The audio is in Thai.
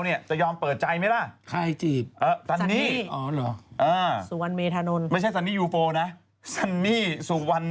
เนี่ยจะยอมเปิดใจไหมล่ะใครจีบไม่ใช่สันนี่ยูโฟนะสันนี่สุวรรณ